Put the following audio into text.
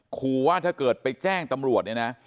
ครูว่าถ้าเกิดไปแจ้งตำรวจ